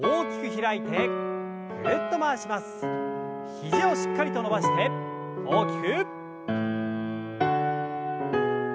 肘をしっかりと伸ばして大きく。